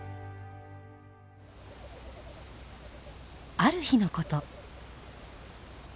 ある日のこと。